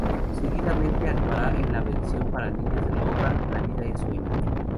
Seguidamente actuará en la versión para niños de la obra "La vida es sueño".